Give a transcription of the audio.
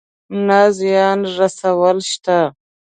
نه زيان رسول شته.